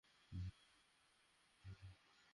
শুভ আত্মা এত সহজে আসে না।